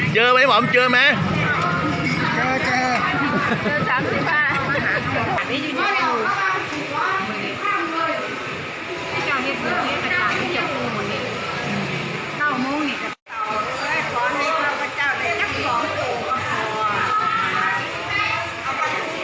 เจอไหมหมอมเจอไหม